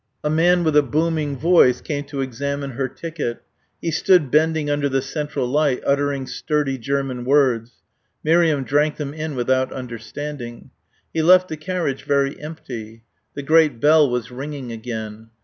A man with a booming voice came to examine her ticket. He stood bending under the central light, uttering sturdy German words. Miriam drank them in without understanding. He left the carriage very empty. The great bell was ringing again.